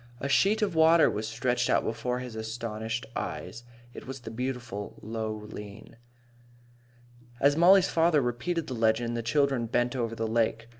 A sheet of water was stretched out before his astonished eyes. It was the beautiful Lough Lean. As Mollie's father repeated the legend, the children bent over the lake.